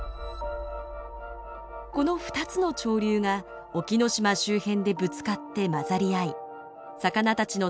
この２つの潮流が沖ノ島周辺でぶつかって混ざり合い魚たちの